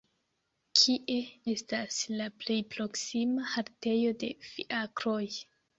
Kie estas la plej proksima haltejo de fiakroj!